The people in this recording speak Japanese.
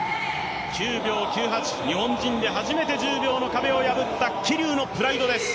９秒９８、日本人で初めて１０秒を破った桐生のプライドです。